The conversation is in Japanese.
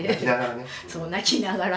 そう泣きながらとか。